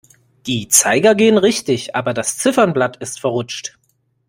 Die Zeiger gehen richtig, aber das Ziffernblatt ist verrutscht.